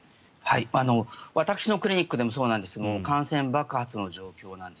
私のクリニックでもそうなんですが感染爆発の状況なんです。